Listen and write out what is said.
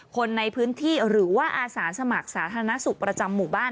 คนในพื้นที่หรือว่าอาสาสมัครสาธารณสุขประจำหมู่บ้าน